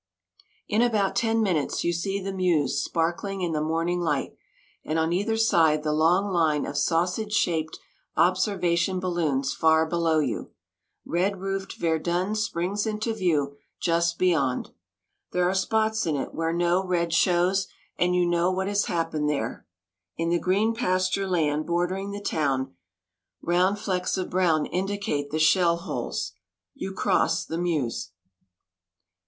In about ten minutes you see the Meuse sparkling in the morning light, and on either side the long line of sausage shaped observation balloons far below you. Red roofed Verdun springs into view just beyond. There are spots in it where no red shows and you know what has happened there. In the green pasture land bordering the town, round flecks of brown indicate the shell holes. You cross the Meuse.